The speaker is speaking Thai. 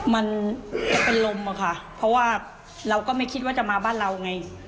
มันเป็นลมอะค่ะเพราะว่าเราก็ไม่คิดว่าจะมาบ้านเราไง